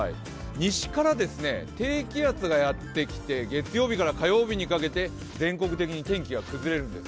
西から低気圧がやってきて月曜日から火曜日にかけて全国的に天気が崩れるんです。